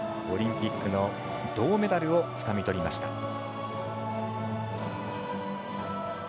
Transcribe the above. オリンピックの銅メダルをつかみとりました。